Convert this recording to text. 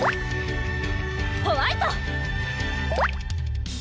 ホワイト！